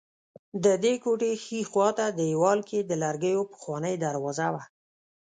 ددې کوټې ښي خوا ته دېوال کې د لرګیو پخوانۍ دروازه وه.